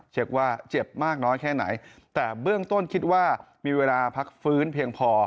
เช็คว่าเจ็บมากน้อยแค่ไหนแต่เบื้องต้นคิดว่ามีเวลาพักฟื้นเพียงพอ